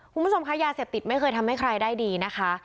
คุณผู้ชมคะยาเสพติดไม่เคยทำให้ใครได้ดีนะคะ